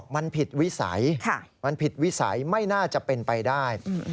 ไม่น่าจะเป็นไปได้